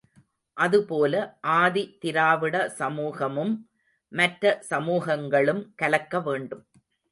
அதுபோல, ஆதி திராவிட சமூகமும் மற்ற சமூகங்களும் கலக்க வேண்டும்.